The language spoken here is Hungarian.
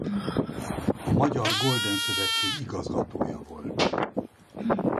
A Magyar Golden Szövetség igazgatója volt.